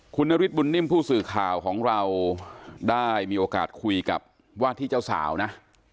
คุณนฤทธบุญนิ่มผู้สื่อข่าวของเราได้มีโอกาสคุยกับว่าที่เจ้าสาวนะ